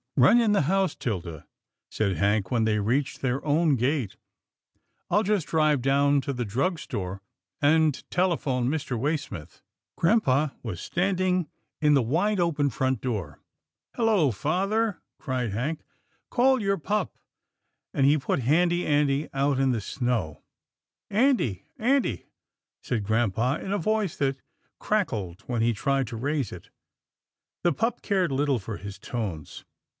" Run in the house, 'Tilda," said Hank when they reached their own gate, " I'll just drive down to the drug store, and telephone Mr. Waysmith." Grampa was standing in the wide open front door. 198 RETURN OF THE TREASURES 199 " Hello, father !" cried Hank, " call your pup," and he put Handy Andy out in the snow. "Andy, Andy," said grampa, in a voice that cracked when he tried to raise it. The pup cared little for his tones.